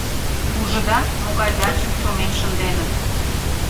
Ужыда, могай дачым чоҥен шынденыт...